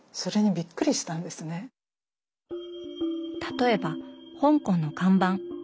例えば香港の看板。